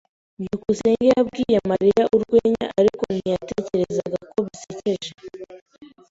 byukusenge yabwiye Mariya urwenya, ariko ntiyatekereza ko bisekeje.